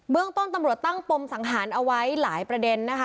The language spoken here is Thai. เรื่องต้นตำรวจตั้งปมสังหารเอาไว้หลายประเด็นนะคะ